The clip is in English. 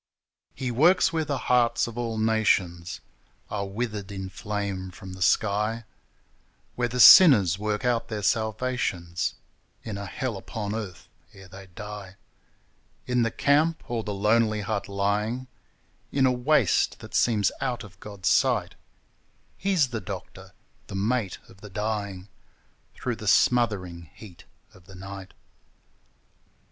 68 70 THE CHRIST OP THE ' NEVER ' He works where the hearts of all nations Are withered in flame from the sky, Where the sinners work out their salvations In a hell upon earth ere they die. In the camp or the lonely hut lying In a waste that seems out of God's sight, He's the doctor the mate of the dying Through the smothering heat of the night.